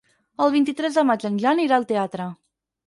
El vint-i-tres de maig en Jan irà al teatre.